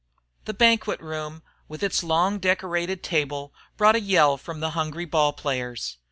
The banquet room, with its long decorated table, brought a yell from the hungry ball players.